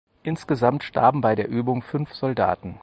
Insgesamt starben bei der Übung fünf Soldaten.